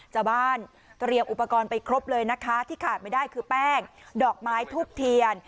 เตรียมอุปกรณ์ไปครบเลยนะคะที่ขาดไม่ได้คือแป้งดอกไม้ทูบเทียน